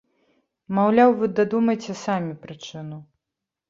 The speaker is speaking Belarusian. Маўляў, вы дадумайце самі прычыну.